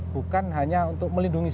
bukan hanya untuk melindungi